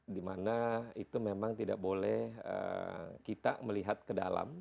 dimana itu memang tidak boleh kita melihat ke dalam